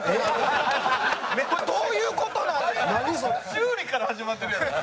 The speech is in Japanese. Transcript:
修理から始まってるやんか。